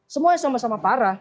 semuanya sama sama parah